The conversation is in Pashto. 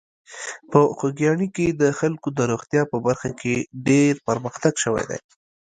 په خوږیاڼي کې د خلکو د روغتیا په برخه کې ډېر پرمختګ شوی دی.